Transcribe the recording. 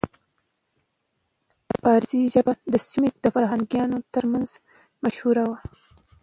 پارسي ژبه د سیمې د فرهنګیانو ترمنځ مشهوره وه